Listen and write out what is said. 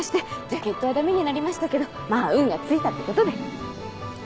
ジャケットはダメになりましたけどまぁ運がついたってことで。